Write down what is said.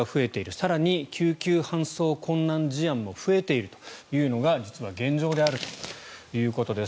更に、救急搬送困難事案も増えているというのが実は現状であるということです。